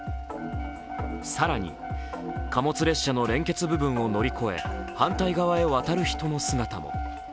更に貨物列車の連結部分を乗り越え反対側へ渡る人の姿も。